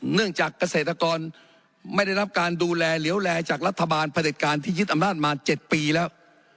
เนื่องจากเกษตรกรไม่ได้รับการดูแลเหลวแลจากรัฐบาลประเด็จการที่ยึดอำนาจมา๗ปีแล้ว